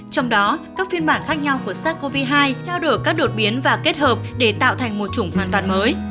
trong đó các phiên bản khác nhau của sars cov hai theo đuổi các đột biến và kết hợp để tạo thành một chủng hoàn toàn mới